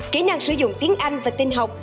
kỹ năng sử dụng tiếng anh và tinh học